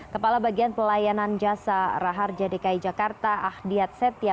kepala bagian pelayanan jasa rahar jadikai jakarta ahdiat setia